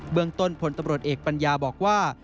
เมืองต้นพลตำรวจเอกปัญญาบอกว่า